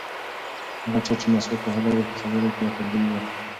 هغه چا چې مسواک وهلی و په خبرو کې یې خوشبويي وه.